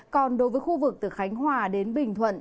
còn đối với khu vực từ khánh hòa đến bình thuận